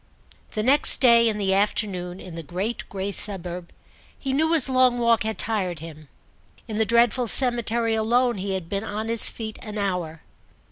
The next day, in the afternoon, in the great grey suburb, he knew his long walk had tired him. In the dreadful cemetery alone he had been on his feet an hour.